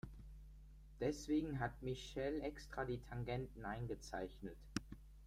Deswegen hat Michelle extra die Tangenten eingezeichnet.